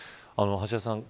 橋田さん